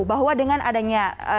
bahwa dengan adanya